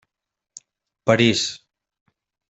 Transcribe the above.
París.